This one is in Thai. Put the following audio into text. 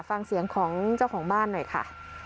ฟังเสียงของเจ้าของบ้านหน่อยค่ะ